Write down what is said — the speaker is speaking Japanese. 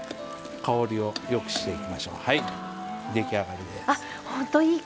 香りをよくしていきましょう。